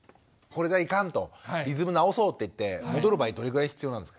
これがいかんとリズム直そうっていって戻る場合どれぐらい必要なんですか？